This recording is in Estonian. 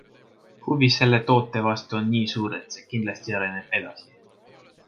Huvi selle toote vastu on nii suur, et see kindlasti areneb edasi.